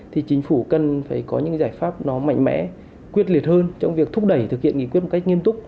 thì chính phủ cần phải có những giải pháp nó mạnh mẽ quyết liệt hơn trong việc thúc đẩy thực hiện nghị quyết một cách nghiêm túc